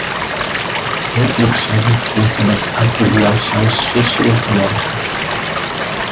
Reflexões acerca das atribulações socioeconômicas